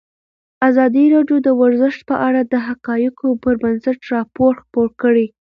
ازادي راډیو د ورزش په اړه د حقایقو پر بنسټ راپور خپور کړی.